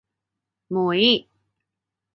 もういい